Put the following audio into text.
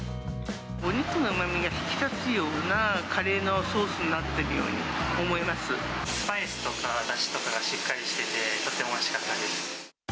お肉のうまみが引き立つようなカレーのソースになってるようスパイスとかだしとかがしっかりしてて、とてもおいしかったです。